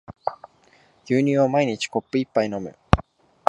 牛乳を毎日コップ一杯飲む